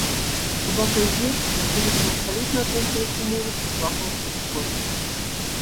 Сабака і звер знаходзіцца ў абсалютна аднолькавых умовах і вагавых катэгорыях.